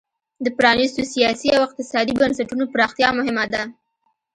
د پرانیستو سیاسي او اقتصادي بنسټونو پراختیا مهمه ده.